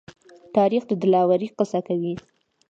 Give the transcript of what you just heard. تاریخ د دلاورۍ قصه کوي.